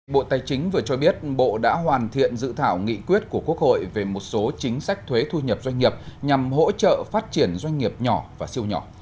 bộ tài chính vừa cho biết bộ đã hoàn thiện dự thảo nghị quyết của quốc hội về một số chính sách thuế thu nhập doanh nghiệp nhằm hỗ trợ phát triển doanh nghiệp nhỏ và siêu nhỏ